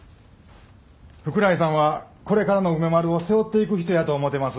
福来さんはこれからの梅丸を背負っていく人やと思うてます。